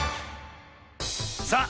さあ